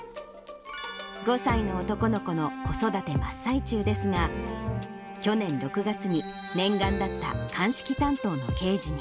５歳の男の子の子育て真っ最中ですが、去年６月に、念願だった鑑識担当の刑事に。